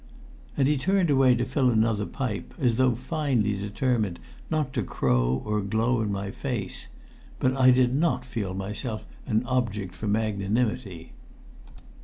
And he turned away to fill another pipe, as though finely determined not to crow or glow in my face. But I did not feel myself an object for magnanimity.